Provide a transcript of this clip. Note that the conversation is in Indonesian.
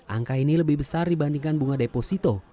angka ini lebih besar dibandingkan bunga deposito